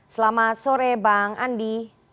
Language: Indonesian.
selamat sore bang andi